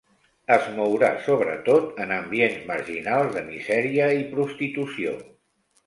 Es mourà, sobretot, en ambients marginals de misèria i prostitució.